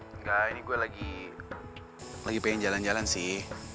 enggak ini gue lagi pengen jalan jalan sih